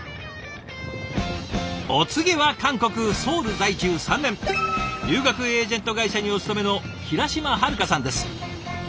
お次は韓国・ソウル在住３年留学エージェント会社にお勤めの平島遥花さんです。